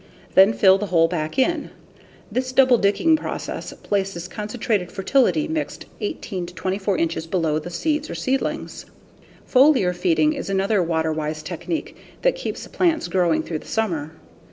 Then fill the hole back in. This double digging process places concentrated fertility mixed 18 to 24 inches below the seeds or seedlings. Foliar feeding is another water wise technique that keeps plants growing through the summer.